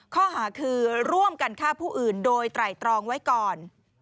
ข้อหาคือร่วมกันฆ่าผู้อื่นโดยไตรตรองไว้ก่อน